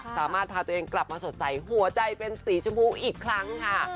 พาตัวเองกลับมาสดใสหัวใจเป็นสีชมพูอีกครั้งค่ะ